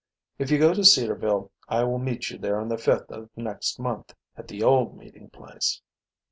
If you go to Cedarville I will meet you there on the 5th of next month at the old meeting place.